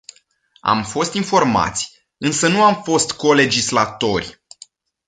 Am fost informați, însă nu am fost co-legislatori.